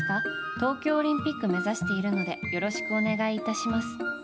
東京オリンピック目指しているのでよろしくお願い致します。